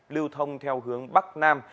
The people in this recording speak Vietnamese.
lưu thông theo hướng bắc nam